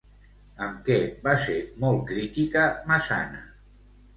Amb què va ser molt crítica Massana?